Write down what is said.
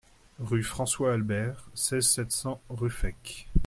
Rue François Albert, seize, sept cents Ruffec